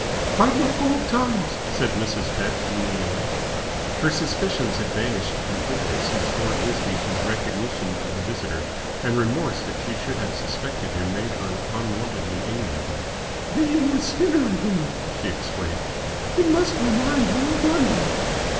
"Quite like old times," said Mrs. Pett genially. Her suspicions had vanished completely since Lord Wisbeach's recognition of the visitor, and remorse that she should have suspected him made her unwontedly amiable. "Being with Skinner again," she explained. "It must remind you of London."